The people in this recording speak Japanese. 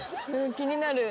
気になる。